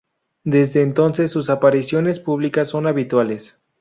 Desde entonces, sus apariciones públicas son habituales.